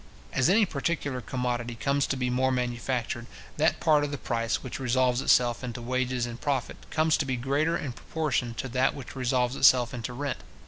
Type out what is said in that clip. As any particular commodity comes to be more manufactured, that part of the price which resolves itself into wages and profit, comes to be greater in proportion to that which resolves itself into rent.